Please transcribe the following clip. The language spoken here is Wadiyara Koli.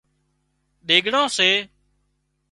ۮِيڳڙان سي